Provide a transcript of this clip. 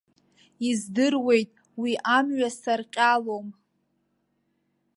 Издыруеит, уи амҩа сарҟьалом.